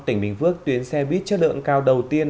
tỉnh bình phước tuyến xe buýt chất lượng cao đầu tiên